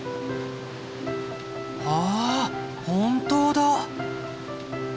あ本当だ！